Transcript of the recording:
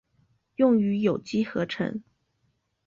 用于有机合成。